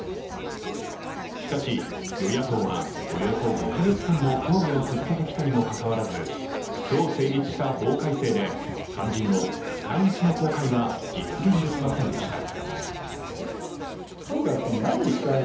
しかし、与野党はおよそ５カ月間も協議を続けてきたにもかかわらず今日成立した法改正で肝心の使い道の公開は実現できませんでした。